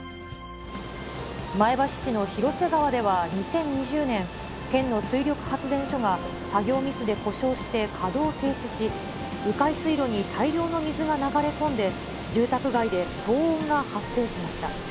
前橋市の広瀬川では２０２０年、県の水力発電所が、作業ミスで故障して、稼働停止し、う回水路に大量の水が流れ込んで、住宅街で騒音が発生しました。